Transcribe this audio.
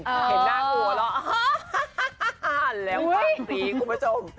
เห็นหน้ากลัวแล้วฮ่าแล้วปากซีกูมาชม